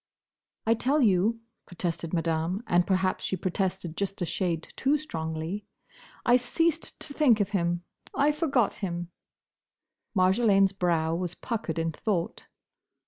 "I tell you," protested Madame—and perhaps she protested just a shade too strongly—"I ceased to think of him. I forgot him." Marjolaine's brow was puckered in thought.